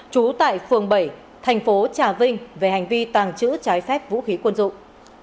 trú tại phường bảy thành phố trà vinh về hành vi tàng trữ trái phép vũ khí quân dụng